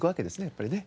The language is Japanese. やっぱりね。